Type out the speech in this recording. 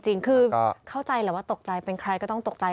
จริงคือเข้าใจแหละว่าตกใจเป็นใครก็ต้องตกใจ